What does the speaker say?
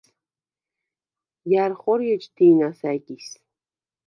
ჲა̈რ ხორი ეჯ დი̄ნას ა̈გის?